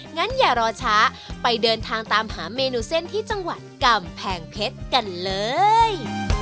งั้นอย่ารอช้าไปเดินทางตามหาเมนูเส้นที่จังหวัดกำแพงเพชรกันเลย